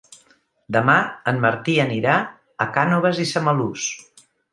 Demà en Martí anirà a Cànoves i Samalús.